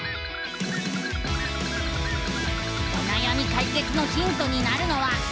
おなやみかいけつのヒントになるのは。